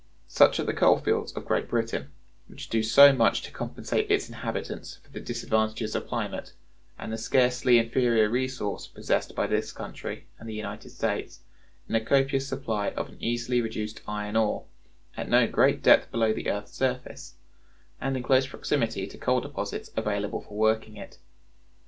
Such are the coal fields of Great Britain, which do so much to compensate its inhabitants for the disadvantages of climate; and the scarcely inferior resource possessed by this country and the United States, in a copious supply of an easily reduced iron ore, at no great depth below the earth's surface, and in close proximity to coal deposits available for working it.